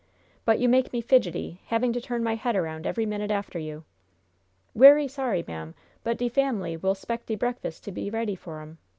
"But you make me fidgety, having to turn my head around every minute after you." "Werry sorry, ma'am, but de family will 'spect de breakfas' to be ready for 'em.